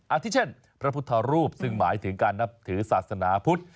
อาทิเช่นพระพุทธรูปซึ่งหมายถึงการนับถือศาสนาพุทธ